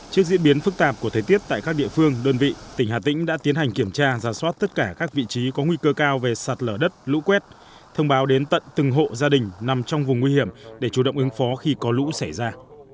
trước diễn biến phức tạp của thế tiết tại các địa phương đơn vị tỉnh hà tĩnh đã tiến hành kiểm tra ra soát tất cả các vị trí có nguy cơ cao về sạt lở đất lũ quét thông báo đến tận từng hộ gia đình nằm trong vùng nguy hiểm để chủ động ứng phó khi có lũ xảy ra